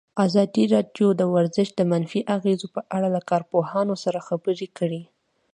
ازادي راډیو د ورزش د منفي اغېزو په اړه له کارپوهانو سره خبرې کړي.